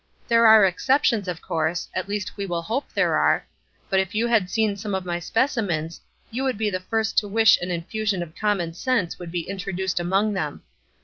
"There are exceptions, of course, at least we will hope there are; but if you had seen some of my specimens, you would be the first to wish an infusion of common sense could be introduced among them.